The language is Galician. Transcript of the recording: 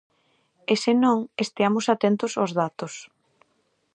E senón esteamos atentos ós datos.